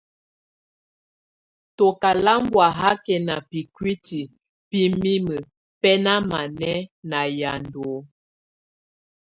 Tɔka lámbɔ́a hákɛna bíkuítí bɛ mimə bɛnámanɛ́ na yanda ɔ́h.